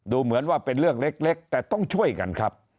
ดูเหมือนว่าเป็นเรื่องเล็กแต่ต้องช่วยกันครับ